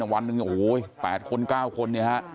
วันหนึ่งโอ้โฮแปดคนเก้าคน